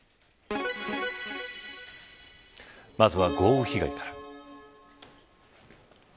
まずは豪雨被害から。